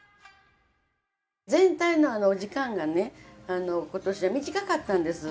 全体のお時間がね今年は短かったんです。